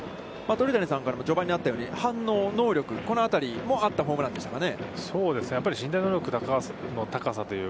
鳥谷さんからも、序盤にあったように反応能力も、あったホームランでしたかね。